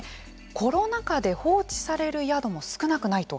コロナ禍で放置される宿も少なくないと。